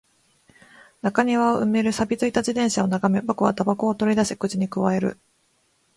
中庭を埋める錆び付いた自転車を眺め、僕は煙草を取り出し、口に咥える